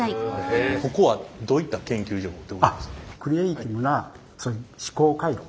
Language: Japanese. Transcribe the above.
ここはどういった研究所でございますか？